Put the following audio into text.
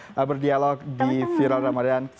sudah berdialog di viral ramadhan